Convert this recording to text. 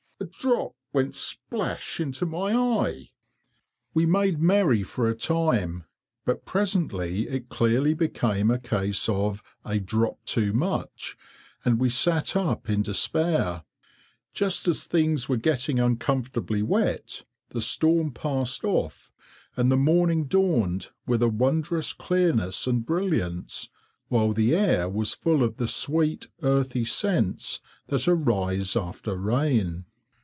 "A drop went splash into my eye!" We made merry for a time, but presently it clearly became a case of "a drop too much," and we sat up in despair. Just as things were getting uncomfortably wet, the storm passed off, and the morning dawned with a wondrous clearness and brilliance, while the air was full of the sweet, earthy scents that arise after rain.